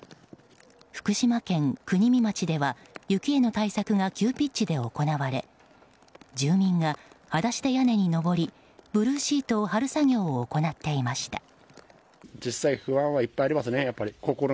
福島県国見町では雪への対策が急ピッチで行われ住民が裸足で屋根に上りブルーシートを張る作業を行っていました。